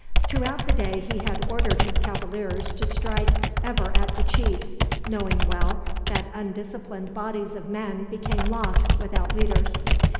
Throughout the day he had ordered his cavaliers to strike ever at the chiefs, knowing well that undisciplined bodies of men become lost, without leaders.